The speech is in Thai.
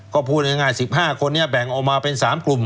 ก็พูดง่าย๑๕คนนี้แบ่งออกมาเป็น๓กลุ่ม